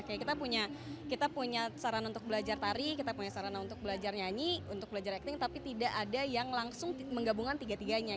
kayak kita punya kita punya sarana untuk belajar tari kita punya sarana untuk belajar nyanyi untuk belajar acting tapi tidak ada yang langsung menggabungkan tiga tiganya